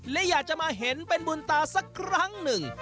และอยากจะมาเห็นเป็นบุญตาสักครั้งหนึ่ง